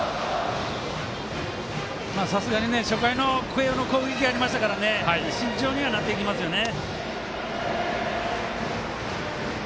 さすがに初回の慶応の攻撃がありましたので慎重には、なってきますよね。